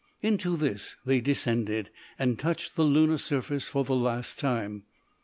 Into this they descended and touched the lunar surface for the last time.